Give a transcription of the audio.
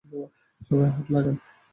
সবাই হাত লাগান!